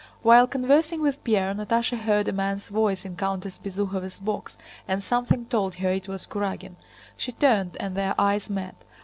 While conversing with Pierre, Natásha heard a man's voice in Countess Bezúkhova's box and something told her it was Kurágin. She turned and their eyes met.